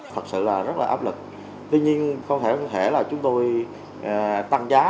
thật sự là rất là áp lực tuy nhiên không thể là chúng tôi tăng giá